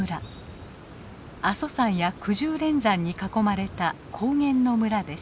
阿蘇山やくじゅう連山に囲まれた高原の村です。